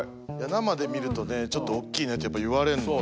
生で見るとねちょっとおっきいねとやっぱ言われんのよ